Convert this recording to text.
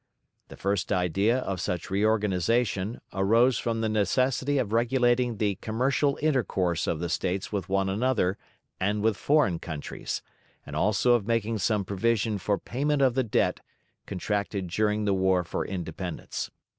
The first idea of such reorganization arose from the necessity of regulating the commercial intercourse of the States with one another and with foreign countries, and also of making some provision for payment of the debt contracted during the war for independence.